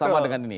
sama dengan ini